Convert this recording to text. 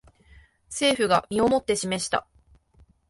政府が身をもって示した